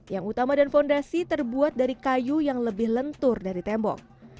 yang utama dan fondasi terbuat dari kayu yang lebih lentur dari tembok